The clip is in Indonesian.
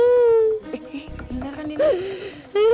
eh bener kan ini